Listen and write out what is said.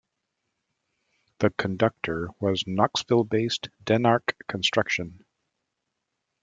The conductor was Knoxville-based Denark Construction.